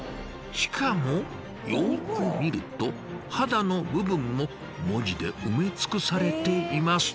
しかもよく見ると肌の部分も文字で埋め尽くされています。